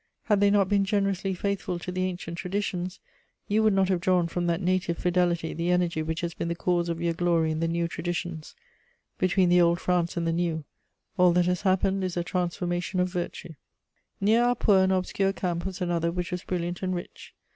Had they not been generously faithful to the ancient traditions, you would not have drawn from that native fidelity the energy which has been the cause of your glory in the new traditions: between the old France and the new, all that has happened is a transformation of virtue. * Near our poor and obscure camp was another which was brilliant and rich.